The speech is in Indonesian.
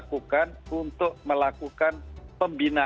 kita ingin menggunakan perusahaan yang berbeda